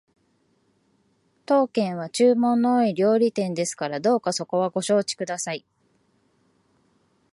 当軒は注文の多い料理店ですからどうかそこはご承知ください